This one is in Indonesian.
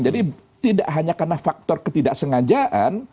jadi tidak hanya karena faktor ketidaksengajaan